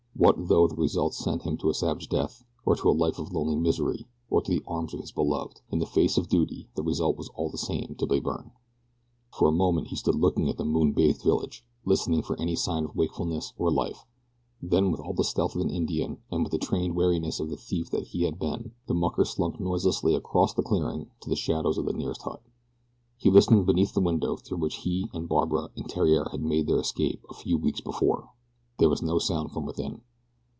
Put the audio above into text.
What though the results sent him to a savage death, or to a life of lonely misery, or to the arms of his beloved! In the face of duty the result was all the same to Billy Byrne. For a moment he stood looking at the moon bathed village, listening for any sign of wakefulness or life, then with all the stealth of an Indian, and with the trained wariness of the thief that he had been, the mucker slunk noiselessly across the clearing to the shadows of the nearest hut. He listened beneath the window through which he and Barbara and Theriere had made their escape a few weeks before. There was no sound from within.